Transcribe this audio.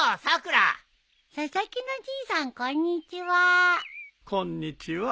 佐々木のじいさんこんにちは。